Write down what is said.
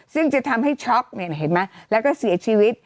ซึ่งจะทำให้ช็อกเห็นไหมแล้วก็เสียชีวิต